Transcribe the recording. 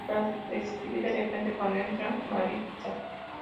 Para de escribir de repente cuando entra Maritza.